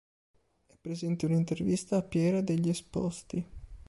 È presente un'intervista a Piera Degli Esposti.